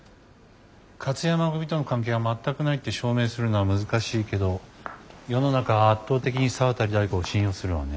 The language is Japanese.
勝山組との関係は全くないって証明するのは難しいけど世の中は圧倒的に沢渡大吾を信用するわね。